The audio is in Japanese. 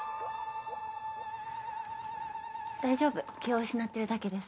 大丈夫気を失ってるだけです。